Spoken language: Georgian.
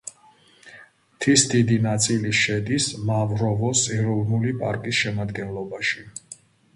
მთის დიდი ნაწილი შედის მავროვოს ეროვნული პარკის შემადგენლობაში.